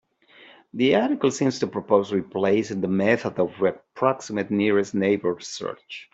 The article seems to propose replacing the method of approximate nearest neighbor search.